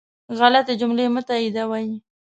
غلطي جملې مه تائیدوئ